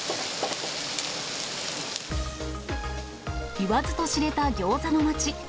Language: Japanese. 言わずと知れたギョーザの街。